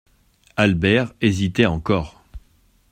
Albert hésitait encore.